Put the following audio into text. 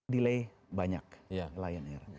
delay banyak lion air